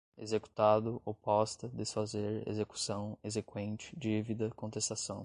executado, oposta, desfazer, execução, exequente, dívida, contestação